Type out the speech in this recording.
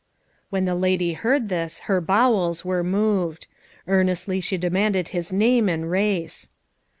When the lady heard this her bowels were moved. Earnestly she demanded his name and race.